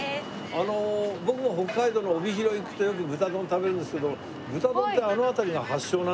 あの僕も北海道の帯広行くとよく豚丼食べるんですけど豚丼ってあの辺りが発祥なんですか？